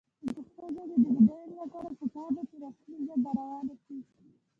د پښتو ژبې د بډاینې لپاره پکار ده چې رسمي ژبه روانه شي.